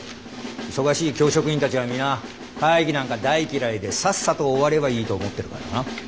忙しい教職員たちは皆会議なんか大嫌いでさっさと終わればいいと思ってるからな。